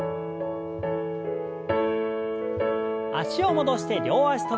脚を戻して両脚跳び。